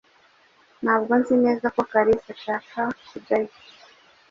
Ntabwo nzi neza ko Kalisa ashaka kujyayo.